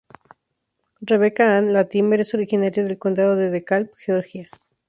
Rebecca Ann Latimer es originaria del condado de Dekalb, Georgia.